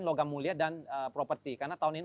logam mulia dan properti karena tahun ini